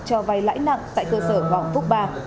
cho vay lãi nặng tại cơ sở hoàng phúc ba